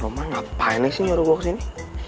roman ngapain nih nyuruh gue kesini